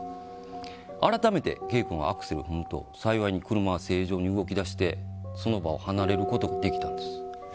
改めてＫ君はアクセルを踏むと幸い車は正常に動き出してその場を離れることができたんです。